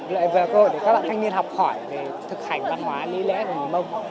lại vừa là cơ hội để các bạn thanh niên học khỏi về thực hành văn hóa lý lẽ của người mông